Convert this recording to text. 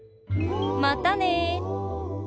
またね！